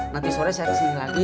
nanti sore saya kesini lagi